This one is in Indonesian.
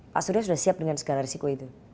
pak surya sudah siap dengan segala resiko